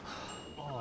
ああ。